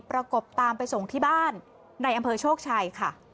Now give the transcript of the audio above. กบตามไปส่งที่บ้านในอำเภอโชคชัยค่ะ